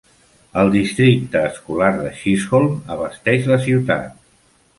El districte escolar de Chisholm abasteix la ciutat.